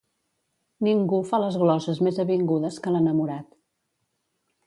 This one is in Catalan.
Ningú fa les gloses més avingudes que l'enamorat.